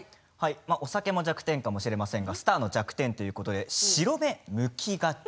お酒も弱点かもしれませんがスターの弱点ということで白目むきがち。